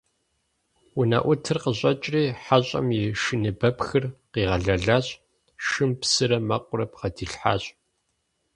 Унэӏутыр къыщӀэкӀри хьэщӏэм и шыныбэпхыр къигъэлэлащ, шым псырэ мэкъурэ бгъэдилъхьащ.